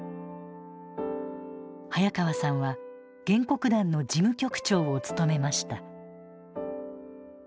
早川さんは原告団の事務局長を務めました。